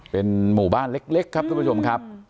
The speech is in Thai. เป็นหมู่บ้านเล็กครับทุกผู้ชมครับ